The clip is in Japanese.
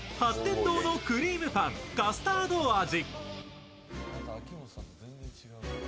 天堂のくりーむパン・カスタード味。